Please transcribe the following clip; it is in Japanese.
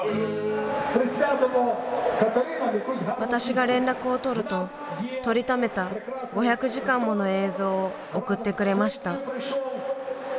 私が連絡をとると撮りためた５００時間もの映像を送ってくれました。